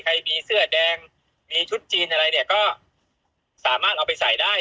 ใครมีเสื้อแดงมีชุดจีนอะไรเนี่ยก็สามารถเอาไปใส่ได้